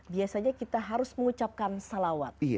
biasanya kita harus mengucapkan salawat